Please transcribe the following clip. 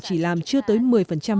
chỉ làm chưa tới một mươi năm